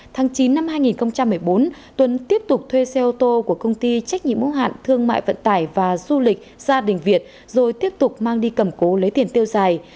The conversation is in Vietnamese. tháng chín năm hai nghìn một mươi bốn tuấn tiếp tục thuê xe ô tô của công ty trách nhiệm mô hạn thương mại vận tải và du lịch gia đình việt rồi tiếp tục mang đi cầm cố lấy tiền tiêu xài